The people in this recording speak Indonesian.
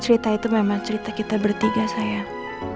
cerita itu memang cerita kita bertiga sayang